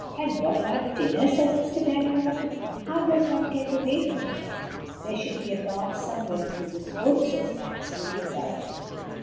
"And what about dinner?" says Mr. Bagginal. "How does one get away from here?" "There should be a path somewhere through this wood/' says Max, looking about him.